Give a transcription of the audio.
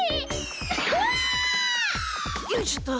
よいしょっと。